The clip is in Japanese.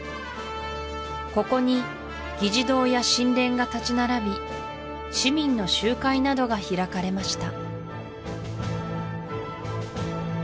ここに議事堂や神殿が建ち並び市民の集会などが開かれました